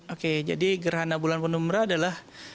oke jadi gerhana bulan penumbra adalah